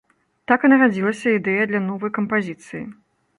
Так і нарадзілася ідэя для новай кампазіцыі.